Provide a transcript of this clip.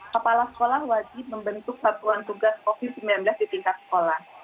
kepala sekolah wajib membentuk satuan tugas covid sembilan belas di tingkat sekolah